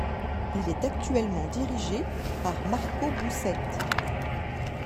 Il est actuellement dirigé par Marco Bussetti.